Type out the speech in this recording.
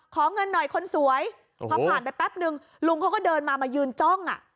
ขอเงินหน่อยคนสวยพอผ่านไปแป๊บนึงลุงเขาก็เดินมามายืนจ้องอ่ะ